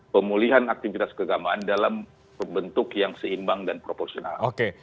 pemulihan aktivitas keagamaan dalam bentuk yang seimbang dan proporsional